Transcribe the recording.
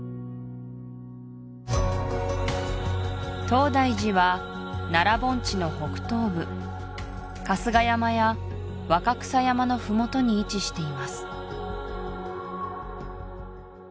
東大寺は奈良盆地の北東部春日山や若草山のふもとに位置しています